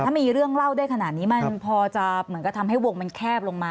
ถ้ามีเรื่องเล่าได้ขนาดนี้มันพอจะเหมือนกับทำให้วงมันแคบลงมา